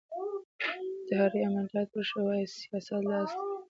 انتحاري عملیات وشي وايي سیاست لاس دی